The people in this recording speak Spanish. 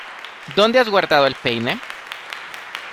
¿Dónde has guardado el peine?